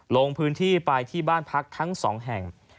ลงพื้นที่ไปที่บ้านพักทั้ง๒แห่ง